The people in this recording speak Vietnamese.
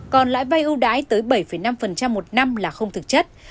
còn lãi vai ưu đái tới bảy năm một năm là không thực chất